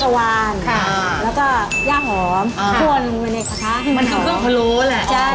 สวัสดีครับสวัสดีครับ